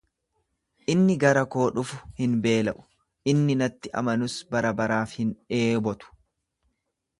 Inni gara koo dhufu hin beela’u, inni natti amanus barabaraaf hin dheebotu.